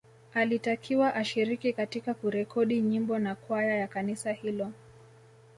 Alitakiwa ashiriki katika kurekodi nyimbo na kwaya ya kanisa hilo